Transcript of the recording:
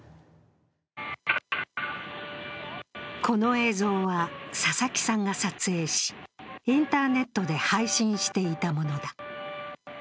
この映像は、佐々木さんが撮影しインターネットで配信していたものだ。